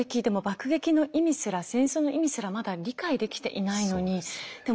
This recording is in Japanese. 爆撃の意味すら戦争の意味すらまだ理解できていないのにで